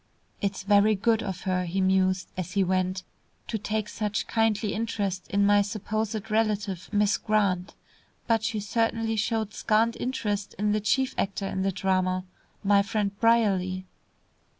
"It's very good of her," he mused, as he went, "to take such kindly interest in my supposed relative, Miss Grant. But she certainly showed scant interest in the chief actor in the drama, my friend Brierly."